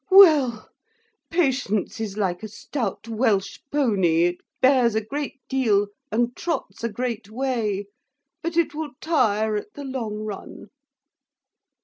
Well, patience is like a stout Welsh poney; it bears a great deal, and trots a great way; but it will tire at the long run.